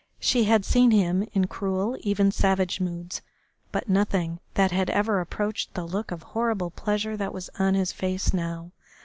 She had seen him in cruel, even savage moods, but nothing that had ever approached the look of horrible pleasure that was on his face now.